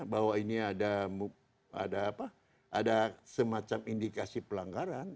bahwa ini ada semacam indikasi pelanggaran